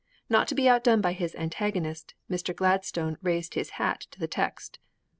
Not to be outdone by his antagonist, Mr. Gladstone raised his hat to the text.